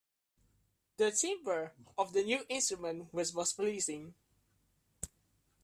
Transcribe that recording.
The timbre of the new instrument was most pleasing.